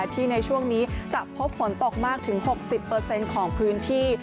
ในช่วงนี้จะพบฝนตกมากถึง๖๐ของพื้นที่